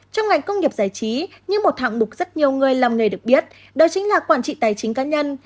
trong ngành công nghiệp giải trí như một thạng đục rất nhiều người lòng người được biết đó chính là quản trị tài chính cá nhân